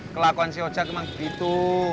kelakuan si ocak emang begitu